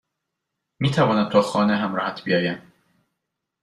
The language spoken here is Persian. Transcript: میتوانم تا خانه همراهت بیایم؟